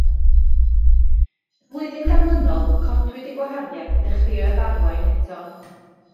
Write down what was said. Y flwyddyn ganlynol codwyd y gwaharddiad a dechreuodd arwain eto.